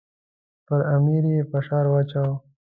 پر امیر یې فشار اچاوه.